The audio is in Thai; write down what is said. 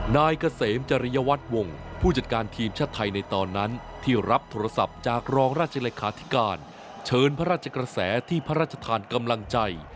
นายเกษมจริยวัตรวงผู้จัดการทีมชาติไทยในตอนนั้นที่รับโทรศัพท์จากรองราชเลขาธิการเชิญพระราชกระแสที่พระราชทานกำลังใจ